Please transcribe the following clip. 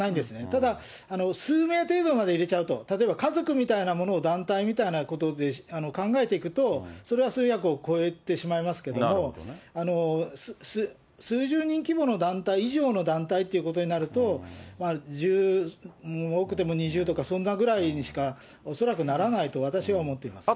ただ、数名程度まで入れちゃうと、例えば、家族みたいなものを団体みたいなことで考えていくと、それは数百を超えてしまいますけれども、数十人規模の団体以上の団体ということになると、多くても２０とか、そんなぐらいにしか恐らくならないと、私は思っています。